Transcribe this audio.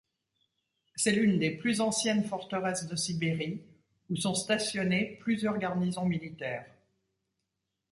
C'est l'une des plus anciennes forteresses de Sibérie où sont stationnées plusieurs garnisons militaires.